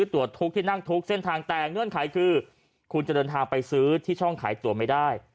ตรวจทุกที่นั่งทุกเส้นทางแต่เงื่อนไขคือคุณจะเดินทางไปซื้อที่ช่องขายตัวไม่ได้